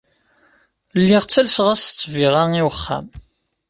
Lliɣ ttalseɣ-as ssbiɣa i wexxam.